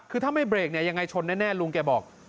คือถ้าไม่เบรกเนี่ยยังไงชนแน่ลุงแกบอก